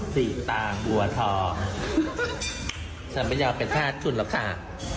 สีตาหัวถอฉันไม่ยอมเป็นชาติคุณแล้วค่ะ